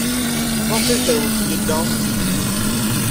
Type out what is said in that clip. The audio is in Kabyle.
Maɣef ay terwel Taninna?